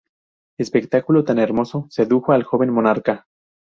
Espectáculo tan hermoso sedujo al joven monarca.